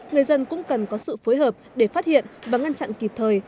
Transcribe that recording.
người dân cũng cần có sự phối hợp để phát hiện và ngăn chặn kịp thời